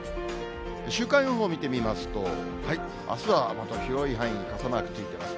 週間予報を見てみますと、あすはまた広い範囲、傘マークついてます。